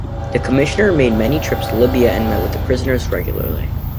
The commissioner made many trips to Libya and met with the prisoners regularly.